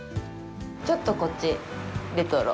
ちょっとこっちレトロ。